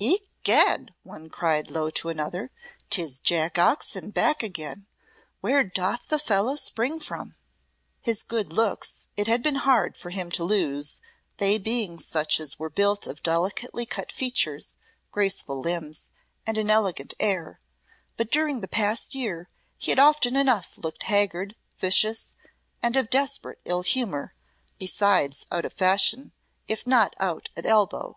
"Egad!" one cried low to another, "'tis Jack Oxon back again. Where doth the fellow spring from?" His good looks it had been hard for him to lose, they being such as were built of delicately cut features, graceful limbs, and an elegant air, but during the past year he had often enough looked haggard, vicious, and of desperate ill humour, besides out of fashion, if not out at elbow.